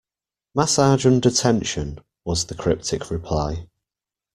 Massage under tension, was the cryptic reply.